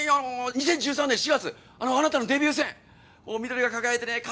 ２０１３年４月あなたのデビュー戦緑が輝いてね風